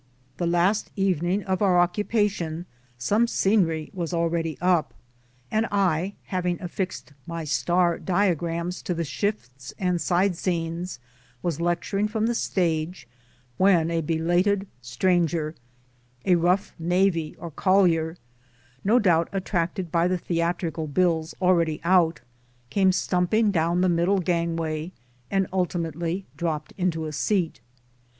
The last evening of our occupa tion, some scenery was already up*, and I, having affixed my star diagrams to the shifts and side scenes, was lecturing from the stage when a belated stranger, a rough navvy or collier no doubt attracted by the theatrical bills already out came stumJping down the middle gangway and ultimately dropped into a seat.